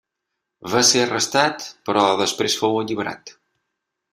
Va ser arrestat, però després fou alliberat.